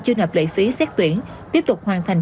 chưa nộp lệ phí xét tuyển tiếp tục hoàn thành